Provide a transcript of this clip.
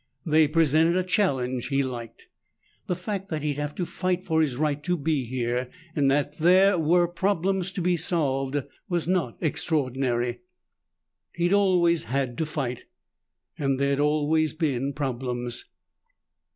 They presented a challenge he liked. The fact that he'd have to fight for his right to be here, and that there were problems to be solved, was not extraordinary. He'd always had to fight and there'd always been problems.